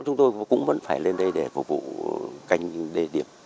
chúng tôi cũng vẫn phải lên đây để phục vụ canh đê điều